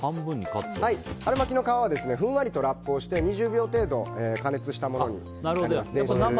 春巻きの皮はふんわりとラップをして２０秒程度加熱したものになります。